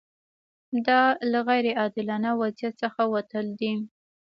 دا له غیر عادلانه وضعیت څخه وتل دي.